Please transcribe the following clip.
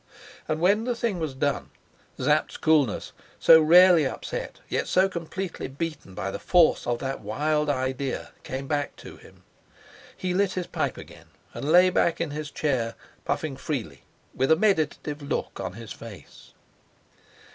And when the thing was done, Sapt's coolness, so rarely upset, yet so completely beaten by the force of that wild idea, came back to him. He lit his pipe again and lay back in his chair, puffing freely, with a meditative look on his face.